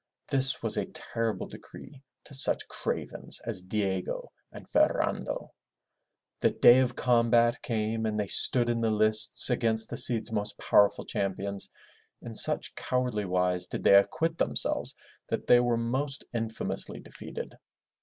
This was a terrible decree to such cravens as Diego and Ferrando. The day of combat came and they stood in the lists against the Cid's most powerful champions. In such cowardly wise did they acquit themselves, that they were most infamously defeated.